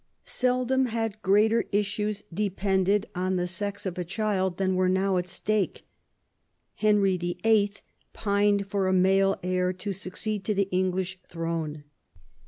Seldom had greater issues depended on the sex of a child than were now at stake. Henry VIII. pined for a male heir to succeed to the English throne.